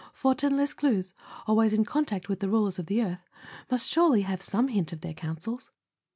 Fortin Les¬ cluze, always in contact with the rulers of the earth, must surely have some hint of their councils.